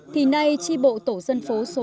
thì nay tri bộ tổ dân phố số bảy đã xây dựng